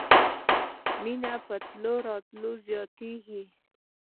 مينه په تلو راتلو زياتېږي.